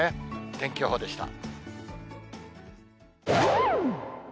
天気予報でした。